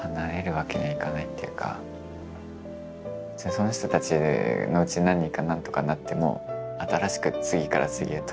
その人たちのうち何人か何とかなっても新しく次から次へと。